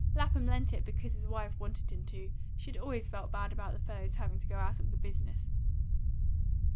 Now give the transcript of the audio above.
Lapham lent it because his wife wanted him to: she had always felt bad about the fellow's having to go out of the business.